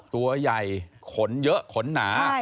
ตัวใหญ่ขนเยอะขนหนา